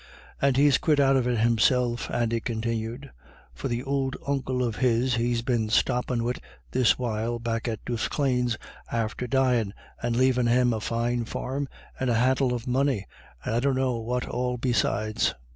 "And he's quit out of it himself," Andy continued, "for the ould uncle of his he's been stoppin' wid this while back at Duffclane's after dyin' and lavin' him a fine farm and a hantle of money, and I dunno what all besides.